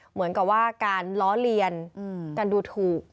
เหมือนกับว่าการล้อเลียนการดูถูก